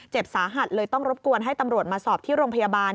สาหัสเลยต้องรบกวนให้ตำรวจมาสอบที่โรงพยาบาล